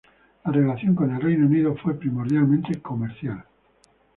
La relación con el Reino Unido fue primordialmente comercial.